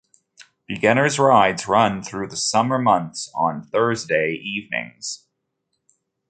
Beginners rides run through the summer months on Thursday evenings.